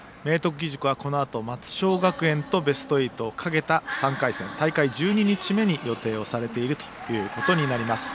義塾はこのあと松商学園とベスト８をかけた３回戦、大会１２日目に予定されているということになります。